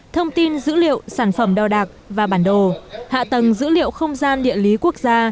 thông tin dữ liệu sản phẩm đo đạc và bản đồ hạ tầng dữ liệu không gian địa lý quốc gia